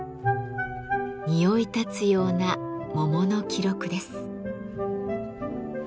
匂いたつような桃の記録です。